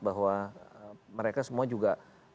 bahwa mereka semua juga